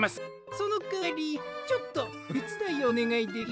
そのかわりちょっとおてつだいをおねがいできる？